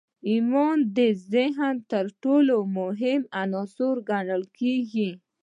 ايمان د ذهن تر ټولو مهم عنصر ګڼل کېږي.